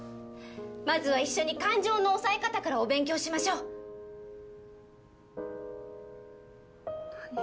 まずは一緒に感情の抑え方からお勉強しましょう何よ